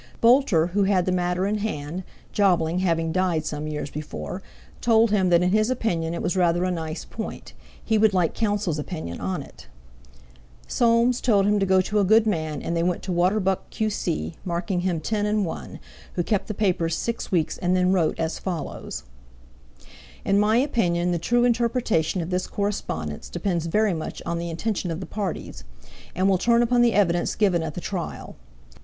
Boulter, who had the matter in hand, Jobling having died some years before, told him that in his opinion it was rather a nice point; he would like counsel's opinion on it. Soames told him to go to a good man, and they went to Waterbuck, Q.C., marking him ten and one, who kept the papers six weeks and then wrote as follows: "In my opinion the true interpretation of this correspondence depends very much on the intention of the parties, and will turn upon the evidence given at the trial.